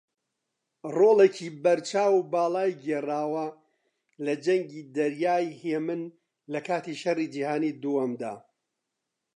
ڕۆڵێکی بەرچاو و باڵای گێڕاوە لە جەنگی دەریای ھێمن لەکاتی شەڕی جیهانی دووەمدا